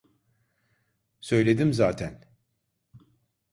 Söyledim zaten.